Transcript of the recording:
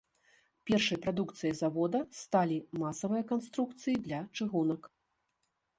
Першай прадукцыяй завода сталі маставыя канструкцыі для чыгунак.